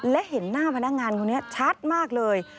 และเห็นหน้าพนักงานคนนี้ชัดมากเลย